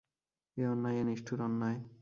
এ অন্যায়, এ নিষ্ঠুর অন্যায়।